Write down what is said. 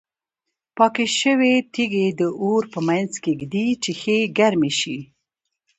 پاکې شوې تیږې د اور په منځ کې ږدي چې ښې ګرمې شي.